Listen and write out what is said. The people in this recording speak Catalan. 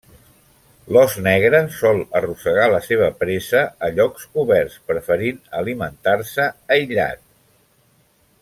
L'ós negre sol arrossegar la seva presa a llocs coberts, preferint alimentar-se aïllat.